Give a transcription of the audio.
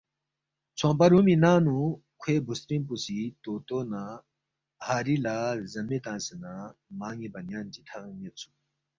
ژھونگپا رُومی ننگ نُو کھوے بُوسترِنگ پو سی طوطو نہ ہاری لہ زَنمے تنگسے نہ مان٘ی بنیان چی تھغین یودسُوک